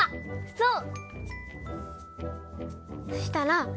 そう！